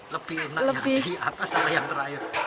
lebih enak di atas apa yang terakhir